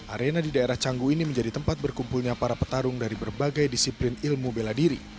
arena di daerah canggu ini menjadi tempat berkumpulnya para petarung dari berbagai disiplin ilmu bela diri